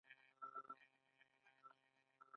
د افغانستان رباب ډیر خوږ دی